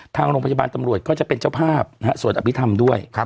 ทางโรงพยาบาลตำรวจก็จะเป็นเจ้าภาพสวดอภิษฐรรมด้วย